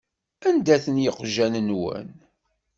Anda-ten yiqjan-nwen?